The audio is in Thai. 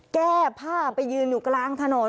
แก้ผ้าไปยืนอยู่กลางถนน